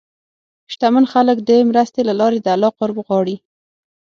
شتمن خلک د مرستې له لارې د الله قرب غواړي.